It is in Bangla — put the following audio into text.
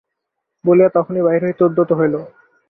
বলিয়া তখনই বাহির হইতে উদ্যত হইল।